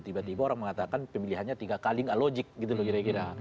tiba tiba orang mengatakan pemilihannya tiga kali gak logik gitu loh kira kira